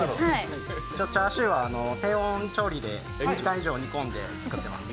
チャーシューは低温以上で１時間以上煮込んで作っています。